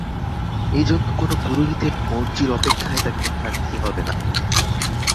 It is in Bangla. এ জন্য কোন পুরোহিতের মর্জির অপেক্ষায় তাকে থাকতে হবে না।